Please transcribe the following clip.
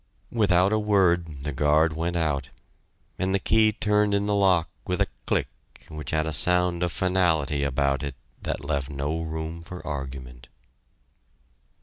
Without a word the guard went out, and the key turned in the lock with a click which had a sound of finality about it that left no room for argument.